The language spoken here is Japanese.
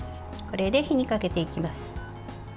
これで火にかけていきます。